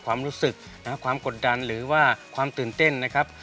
ความรู้สึกนะครับความกดดันหรือว่าความตื่นเต้นนะครับ